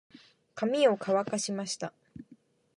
髪を乾かしました。